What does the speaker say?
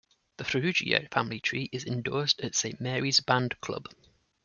The Farrugia family tree is endorsed at Saint Mary's Band Club.